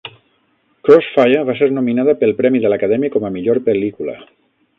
"Crossfire" va ser nominada pel premi de l'Acadèmia com a Millor Pel·lícula.